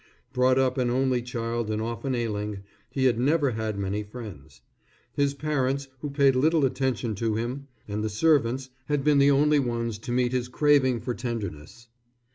Brought up an only child and often ailing, he had never had many friends. His parents, who paid little attention to him, and the servants had been the only ones to meet his craving for tenderness.